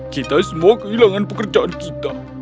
kita semua kehilangan pekerjaan kita